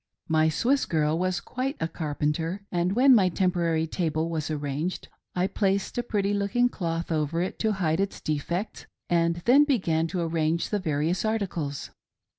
My Swiss girl was quite a carpenter, and when my tempo rary table was arranged, I placed a pretty looking cloth over it to hide its defects, and then began to arrange the various articles.